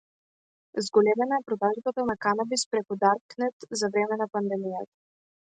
Зголемена е продажбата на канабис преку Даркнет за време на пандемијата